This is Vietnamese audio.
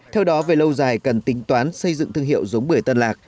theo đó về lâu dài cần tính toán xây dựng thương hiệu giống bưởi tân lạc